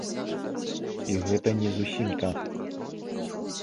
І гэта не зусім так.